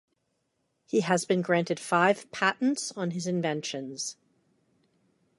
He has been granted five patents on his inventions.